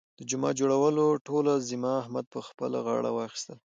د جومات جوړولو ټوله ذمه احمد په خپله غاړه واخیستله.